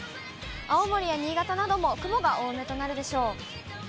青森や新潟なども雲が多めとなるでしょう。